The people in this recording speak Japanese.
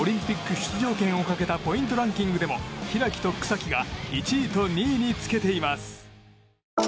これでオリンピック出場権をかけた、ポイントランキングも開と草木が１位と２位につけています。